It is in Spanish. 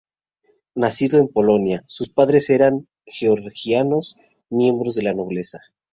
Nacido en Polonia, sus padres eran georgianos miembros de la nobleza.